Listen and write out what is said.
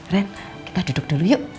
red kita duduk dulu yuk